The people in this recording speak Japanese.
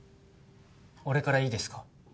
俺からいいですか？